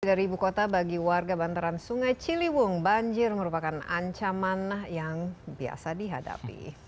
dari ibu kota bagi warga bantaran sungai ciliwung banjir merupakan ancaman yang biasa dihadapi